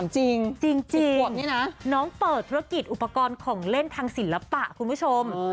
จริง๗ขวบนี่นะน้องเปิดธุรกิจอุปกรณ์ของเล่นทางศิลปะคุณผู้ชม